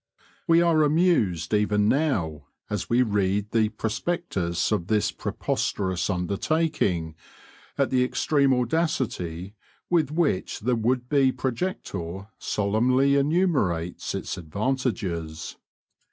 We are amused even now, as we read the prospectus of this preposterous undertaking, at the extreme audacity with which the would be projector solemnly enumerates its advantages.